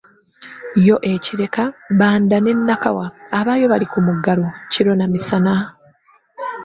Yo e Kireka, Bbanda ne Nakawa, abaayo bali ku muggalo kiro na misana,